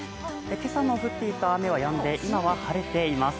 今朝の降っていた雨はやんで今は晴れています。